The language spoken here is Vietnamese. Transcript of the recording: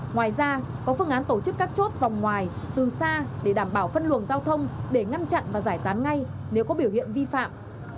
ngoài ra có phương án tổ chức các chốt vòng ngoài từ xa để đảm bảo phân luồng giao thông để ngăn chặn và giải tán ngay nếu có biểu hiện vi phạm